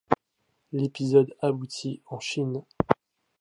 L'épisode aboutit en Chine.